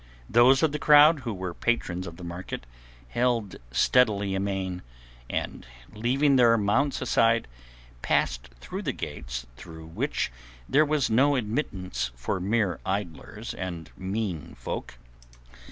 Those of the crowd who were patrons of the market held steadily amain, and, leaving their mounts outside, passed through the gates through which there was no admittance for mere idlers and mean folk.